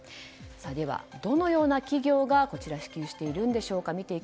では、どのような企業が支給しているんでしょうか。